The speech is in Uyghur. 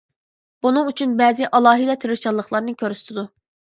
بۇنىڭ ئۈچۈن بەزى ئالاھىدە تىرىشچانلىقلارنى كۆرسىتىدۇ.